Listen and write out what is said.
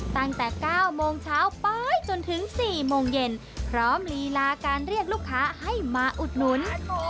ตั้งแต่๙โมงเช้าไปจนถึง๔โมงเย็นพร้อมลีลาการเรียกลูกค้าให้มาอุดหนุน